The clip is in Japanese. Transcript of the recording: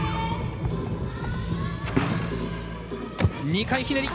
２回ひねり。